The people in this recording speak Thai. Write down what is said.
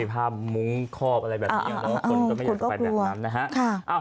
มีภาพมุ้งคอบอะไรแบบนี้แล้วคนก็ไม่อยากไปแบบนั้นนะครับ